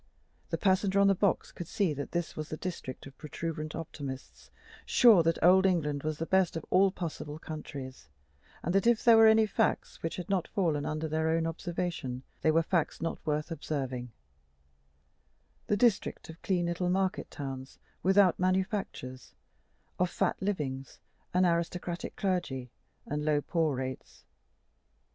The passenger on the box could see that this was the district of protuberant optimists, sure that old England was the best of all possible countries, and that if there were any facts which had not fallen under their own observation, they were facts not worth observing: the district of clean little market towns without manufactures, of fat livings, an aristocratic clergy, and low poor rates.